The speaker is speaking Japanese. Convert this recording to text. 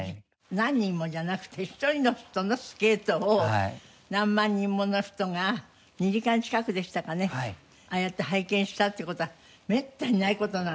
何人もじゃなくて１人の人のスケートを何万人もの人が２時間近くでしたかねああやって拝見したって事はめったにない事なんで。